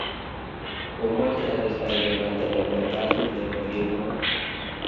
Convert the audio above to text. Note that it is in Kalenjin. komoche atestake banta ne bo basit ne bo kemoi.